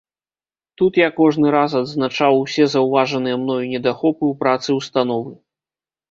Тут я кожны раз адзначаў усе заўважаныя мною недахопы ў працы ўстановы.